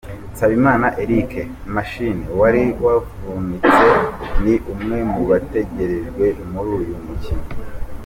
Nsabimana Eric “Machine” wari wavunitse, ni umwe mu bategerejwe muri uyu mukino.